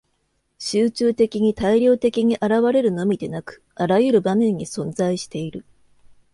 集中的に大量的に現れるのみでなく、あらゆる場合に存在している。